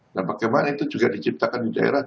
nah bagaimana itu juga diciptakan di daerah